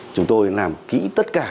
chúng tôi làm kỹ tất cả